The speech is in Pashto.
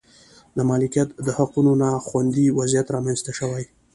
د مالکیت د حقونو نا خوندي وضعیت رامنځته شوی و.